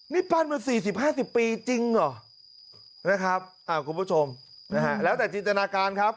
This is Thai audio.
นี่ปั้นมา๔๐๕๐ปีจริงเหรอนะครับคุณผู้ชมนะฮะแล้วแต่จินตนาการครับ